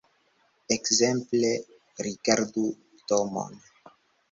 Ekzemple rigardu domon.